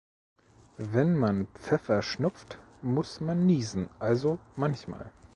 Wenn man Pfeffer schnupft muss man nießen, also manchmal.